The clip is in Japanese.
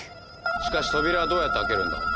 しかし扉はどうやって開けるんだ。